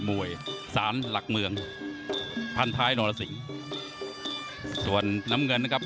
มวยสารหลักเมืองพันท้ายนรสิงส่วนน้ำเงินนะครับ